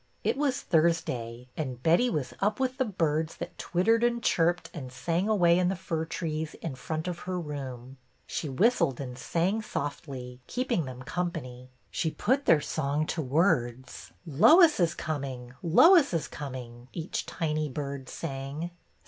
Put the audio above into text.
It was Thursday, and Betty was up with the birds that twittered and chirped and sang away in the fir trees in front of her room. She whistled and sang softly, keeping them company. She put their song to words. ^*Lois is coming, Lois is coming," each tiny bird sang.